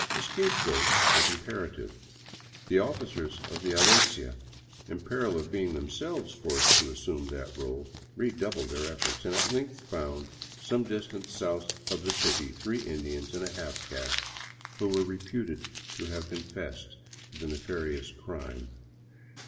A scapegoat was im perative. The officers of the audiencia, in peril of being themselves forced to assume that role, redoubled their efforts, and at length found, some distance south of the city, three Indians and a half caste who were reputed to have confessed to the nefarious crime.